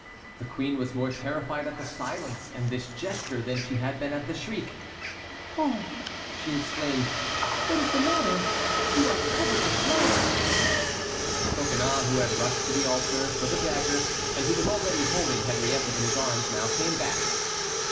The queen was more terrified at the silence and this gesture than she had been at the shriek. "Oh!" she exclaimed, "what is the matter? You are covered with blood." Coconnas, who had rushed to the altar for the dagger, and who was already holding Henriette in his arms, now came back.